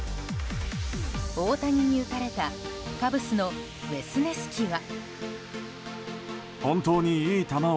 大谷に打たれたカブスのウェスネスキは。